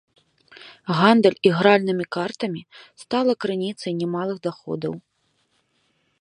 Гандаль ігральнымі картамі стала крыніцай немалых даходаў.